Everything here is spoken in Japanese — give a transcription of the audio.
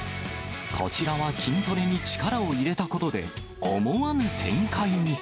こちらは筋トレに力を入れたことで、思わぬ展開に。